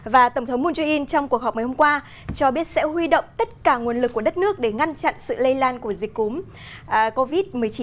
và tổng thống moon jae in trong cuộc họp hôm qua cho biết sẽ huy động tất cả nguồn lực của đất nước để ngăn chặn sự lây lan của dịch covid một mươi chín